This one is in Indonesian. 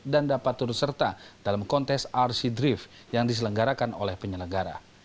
dan dapat terus serta dalam kontes rc drift yang diselenggarakan oleh penyelenggara